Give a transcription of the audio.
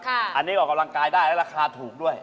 อันนี้ออกกำลังกายได้และราคาถูกด้วย